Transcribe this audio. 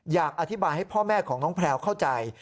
อยากอธิบายให้พ่อแม่ของน้องแพลวเข้าใจ